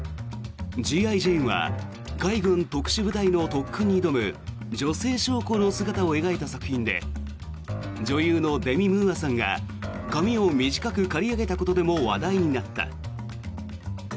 「Ｇ．Ｉ．ジェーン」は海軍特殊部隊の特訓に挑む女性将校の姿を描いた作品で女優のデミ・ムーアさんが髪を短く刈り上げたことでも話題になった。